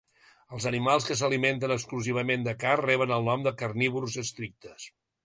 Els animals que s'alimenten exclusivament de carn reben el nom de carnívors estrictes.